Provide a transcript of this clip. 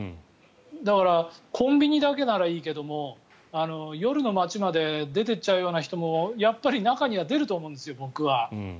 だからコンビニだけならいいけども夜の街まで出ていっちゃうような人もやっぱり中には出ると思うんですよ、僕は。